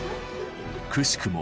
くしくも